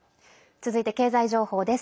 続いて経済情報です。